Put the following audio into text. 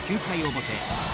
９回表。